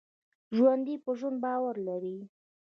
ژوندي په ژوند باور لري